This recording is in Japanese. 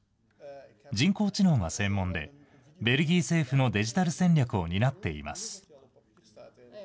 人工知能が専門で、ベルギー政府のデジタル戦略を担っています。